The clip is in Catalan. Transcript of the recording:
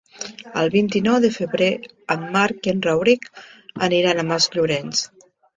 El vint-i-nou de febrer en Marc i en Rauric aniran a Masllorenç.